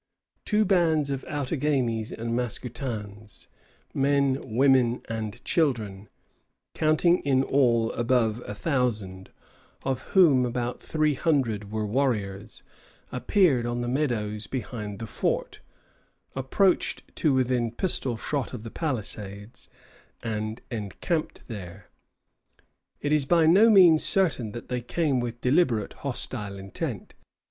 Two bands of Outagamies and Mascoutins, men, women, and children, counting in all above a thousand, of whom about three hundred were warriors, appeared on the meadows behind the fort, approached to within pistol shot of the palisades, and encamped there. It is by no means certain that they came with deliberate hostile intent.